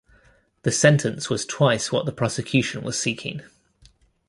The sentence was twice what the prosecution was seeking.